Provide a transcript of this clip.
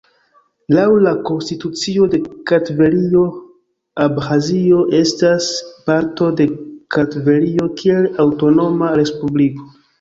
Laŭ la konstitucio de Kartvelio, Abĥazio estas parto de Kartvelio kiel aŭtonoma respubliko.